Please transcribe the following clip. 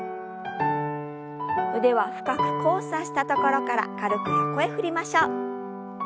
腕は深く交差したところから軽く横へ振りましょう。